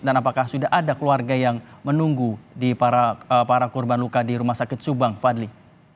dan apakah sudah ada keluarga yang menunggu para korban luka di rumah sakit subang fadli